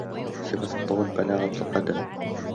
صفة الطلول بلاغة القدم